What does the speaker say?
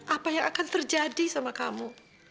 apa yang akan terjadi sama kamu